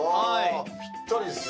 ぴったりですよ。